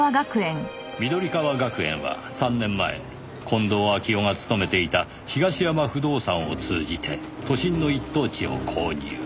緑川学園は３年前近藤秋夫が勤めていた東山不動産を通じて都心の一等地を購入。